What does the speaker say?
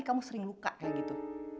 kamu sering luka kayak gitu